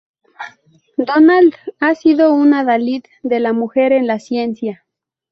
Donald ha sido un adalid de la mujer en la ciencia.